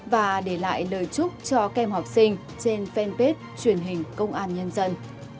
và để lại lời chúc cho kem học sinh trên fanpage truyền hình công an nhân dân